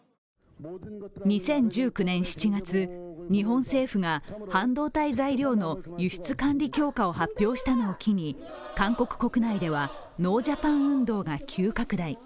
２０１９年７月、日本政府が半導体材料の輸出管理強化を発表したのを機に韓国国内ではノージャパン運動が急拡大。